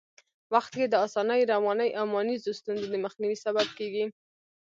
وخت کي د اسانۍ، روانۍ او مانیزو ستونزو د مخنیوي سبب کېږي.